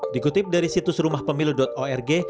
dikutip dari situs rumahpemilu org